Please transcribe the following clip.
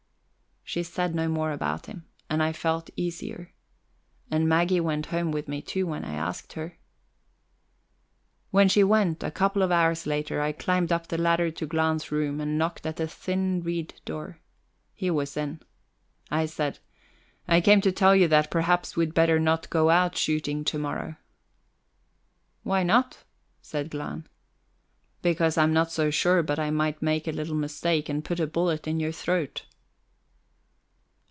She said no more about him, and I felt easier. And Maggie went home with me, too, when I asked her. When she went, a couple of hours later, I climbed up the ladder to Glahn's room and knocked at the thin reed door. He was in. I said: "I came to tell you that perhaps we'd better not go out shooting to morrow." "Why not?" said Glahn. "Because I'm not so sure but I might make a little mistake and put a bullet in your throat."